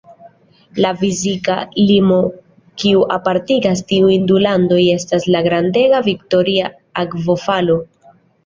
La fizika limo kiu apartigas tiujn du landojn estas la grandega Viktoria Akvofalo.